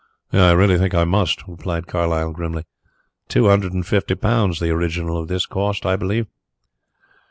"I really think I must," replied Carlyle grimly. "Two hundred and fifty pounds the original of this cost, I believe."